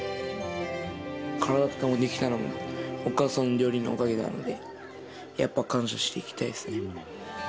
体が出来たのも、お母さんの料理のおかげなので、やっぱ感謝していきたいっすね。